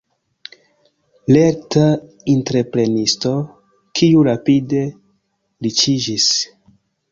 Lerta entreprenisto, kiu rapide riĉiĝis.